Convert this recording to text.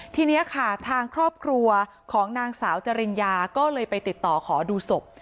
ทีนี้ค่ะทางครอบครัวของนางสาวจริญญาก็เลยไปติดต่อขอดูศพ